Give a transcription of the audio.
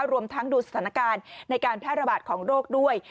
รวมทั้งดูสถานการณ์ในการแพร่ระบาดของโรคด้วย